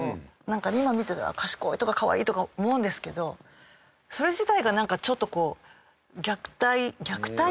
なんかね、今見てたら、賢いとか可愛いとか思うんですけどそれ自体が、なんかちょっと、こう、虐待。